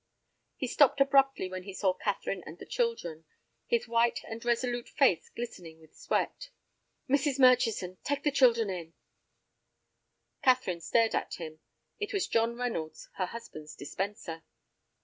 He stopped abruptly when he saw Catherine and the children, his white and resolute face glistening with sweat. "Mrs. Murchison, take the children in—" Catherine stared at him; it was John Reynolds, her husband's dispenser.